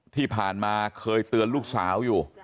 ที่ผ่านมาเคยเตือนลูกสาวอยู่